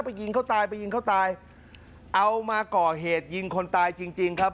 ไปยิงเขาตายเอามาก่อเหตุยิงคนตายจริงครับ